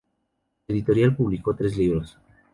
La editorial publicó tres libros.